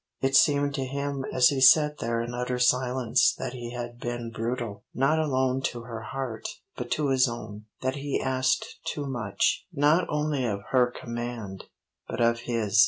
It seemed to him as he sat there in utter silence that he had been brutal, not alone to her heart, but to his own, that he asked too much, not only of her command, but of his.